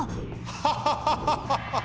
ハハハハハ。